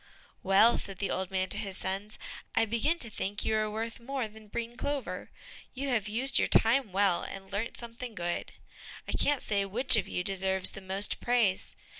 "Well," said the old man to his sons, "I begin to think you are worth more than breen clover; you have used your time well, and learnt something good. I can't say which of you deserves the most praise.